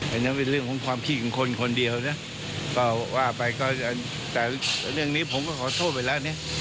อันนั้นเป็นเรื่องของความคิดของคนคนเดียวนะก็ว่าไปก็แต่เรื่องนี้ผมก็ขอโทษไปแล้วนะ